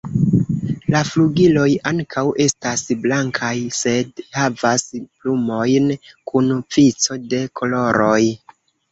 La flugiloj ankaŭ estas blankaj, sed havas plumojn kun vico de koloroj.